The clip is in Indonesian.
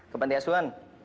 ke pantai asuhan